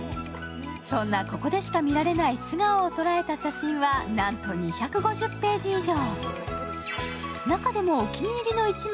そんな、ここでしか見られない素顔を捉えた写真はなんと２５０ページ以上。